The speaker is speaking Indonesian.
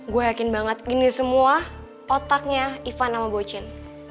gue yakin banget gini semua otaknya ivan sama bocin